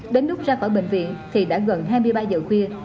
đến lúc ra khỏi bệnh viện thì đã gần hai mươi ba giờ khuya